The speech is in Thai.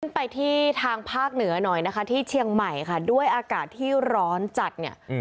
ไปที่ทางภาคเหนือหน่อยนะคะที่เชียงใหม่ค่ะด้วยอากาศที่ร้อนจัดเนี่ย